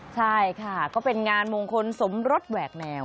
ใช่ค่ะก็เป็นงานมงคลสมรสแหวกแนว